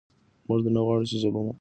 موږ نه غواړو چې ژبه مو مړه شي.